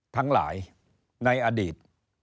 ทั้งหลายในอดีต